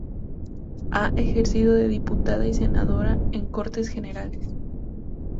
Ha ejercido de diputada y senadora en Cortes Generales.